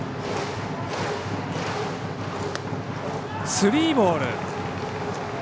スリーボール。